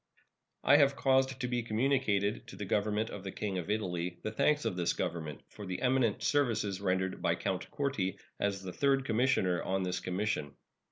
I have caused to be communicated to the Government of the King of Italy the thanks of this Government for the eminent services rendered by Count Corti as the third commissioner on this commission.